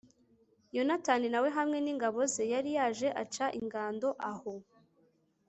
yonatani na we hamwe n'ingabo ze, yari yaje aca ingando aho